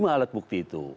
ada lima alat bukti itu